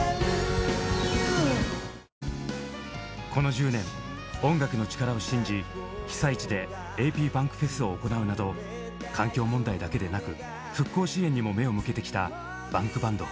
この１０年音楽の力を信じ被災地でａｐｂａｎｋｆｅｓを行うなど環境問題だけでなく復興支援にも目を向けてきたＢａｎｋＢａｎｄ。